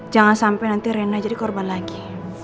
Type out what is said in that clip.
jangan sampai nanti rena jadi korban lagi